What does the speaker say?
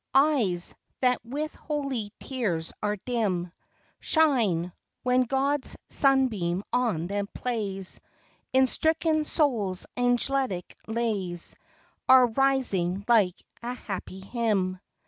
Tj' YES, that with holy tears are dim, Shine, when God's sunbeam on them plays; In stricken souls angelic lays Are rising like a happy hymn.'